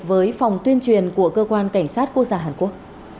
với phòng tuyên truyền của cơ quan cảnh sát quốc gia hàn quốc